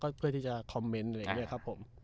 เพื่อที่จะคอมเมนต์อะไรอย่างนี้ครับผม